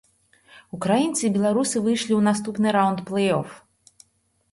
Украінцы і беларусы выйшлі ў наступны раўнд плэй-оф.